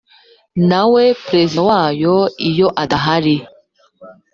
nawe perezida wayo iyo adahari